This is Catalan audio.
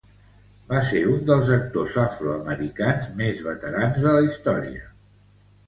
Va ser un dels actors afroamericans més veterans de la història.